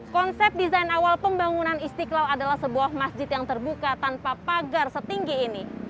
konsep desain awal pembangunan istiqlal adalah sebuah masjid yang terbuka tanpa pagar setinggi ini